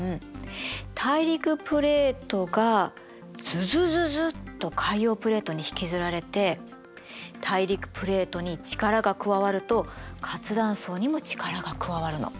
大陸プレートがズズズズッと海洋プレートに引きずられて大陸プレートに力が加わると活断層にも力が加わるの。